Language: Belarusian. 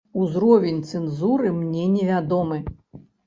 Узровень цэнзуры мне невядомы.